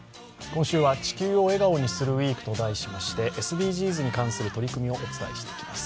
今週は「地球を笑顔にするＷＥＥＫ」と題しましてＳＤＧｓに関する取り組みをお伝えしてまいります。